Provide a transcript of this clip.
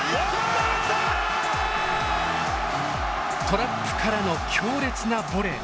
トラップからの強烈なボレー。